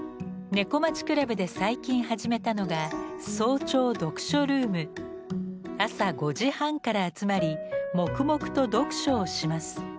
「猫町倶楽部」で最近始めたのが朝５時半から集まり黙々と読書をします。